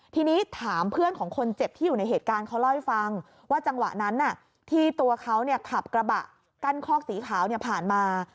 ทีนี้ถามเพื่อนของคนเจ็บที่อยู่ในเหตุการณ์เขาเล่าให้ฟังว่าจังหวะนั้นที่ตัวเขาขับกระบะกั้นคอกสีขาวผ่านมา